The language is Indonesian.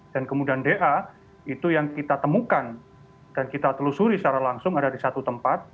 dan kemudian da itu yang kita temukan dan kita telusuri secara langsung ada di satu tempat